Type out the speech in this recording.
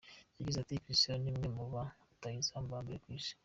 Yagize ati “Cristiano ni umwe mu ba rutahizamu ba mbere ku isi.